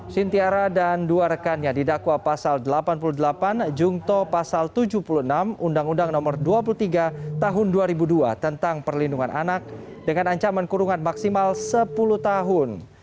sintiara dan dua rekannya didakwa pasal delapan puluh delapan jungto pasal tujuh puluh enam undang undang nomor dua puluh tiga tahun dua ribu dua tentang perlindungan anak dengan ancaman kurungan maksimal sepuluh tahun